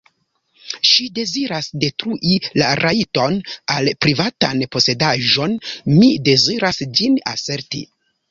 Ŝi deziras detrui la rajton al privatan posedaĵon, mi deziras ĝin aserti.